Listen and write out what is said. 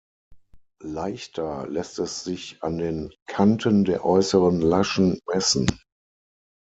Leichter lässt es sich an den Kanten der äußeren Laschen messen.